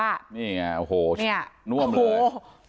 นี่ไงโอ้โฮน้วมเลย